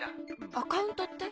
アカウントって？